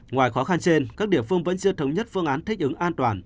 ngoài khó khăn trên các địa phương vẫn chưa thống nhất phương án thích ứng an toàn